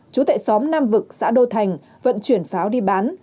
chú tại xóm nam vực xã đô thành vận chuyển pháo đi bán